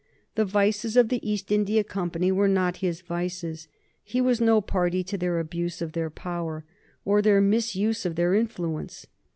The vices of the East India Company were not his vices; he was no party to their abuse of their power, or their misuse of their influence.